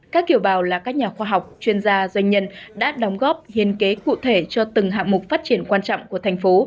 các kiểu bào là các nhà khoa học chuyên gia doanh nhân đã đóng góp hiên kế cụ thể cho từng hạng mục phát triển quan trọng của thành phố